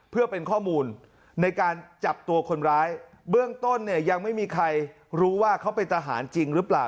เพื่อเป็นข้อมูลในการจับตัวคนร้ายเบื้องต้นเนี่ยยังไม่มีใครรู้ว่าเขาเป็นทหารจริงหรือเปล่า